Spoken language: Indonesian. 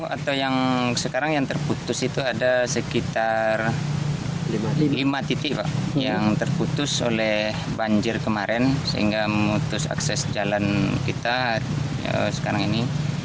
atau yang sekarang yang terputus itu ada sekitar lima titik pak yang terputus oleh banjir kemarin sehingga memutus akses jalan kita sekarang ini